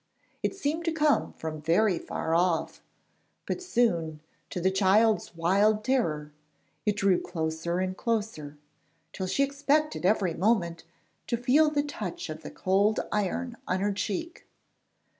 It seemed to come from very far off; but soon, to the child's wild terror, it drew closer and closer, till she expected every moment to feel the touch of the cold iron on her cheek.